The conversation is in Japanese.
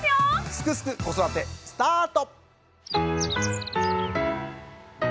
「すくすく子育て」スタート！